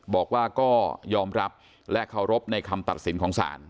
บอกว่าก็ยอมรับและเคารพในคำตัดสินของศาล